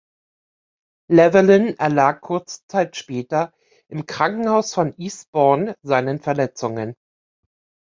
Llewelyn erlag kurze Zeit später im Krankenhaus von Eastbourne seinen Verletzungen.